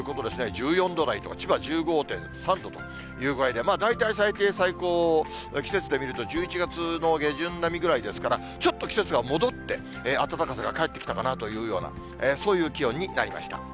１４度台と、千葉１５．３度と、大体最低、最高、季節で見ると１１月の下旬並みぐらいですから、ちょっと季節が戻って、暖かさがかえってきたかなというような、そういう気温になりました。